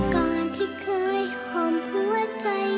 ก่อนที่เคยหอมหัวใจ